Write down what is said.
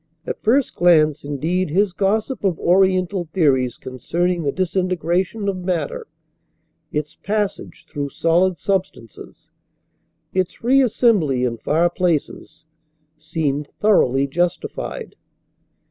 At first glance, indeed his gossip of oriental theories concerning the disintegration of matter, its passage through solid substances, its reassembly in far places, seemed thoroughly justified.